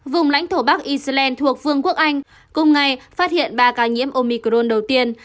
vùng lãnh thổ bắc iceland thuộc vương quốc anh cùng ngày phát hiện ba ca nhiễm omicron đầu tiên